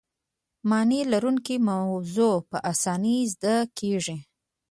معنی لرونکې موضوع په اسانۍ زده کیږي.